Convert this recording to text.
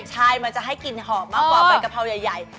ใช่มันจะให้กลิ่นหอมมากกว่าใบกะเพราใหญ่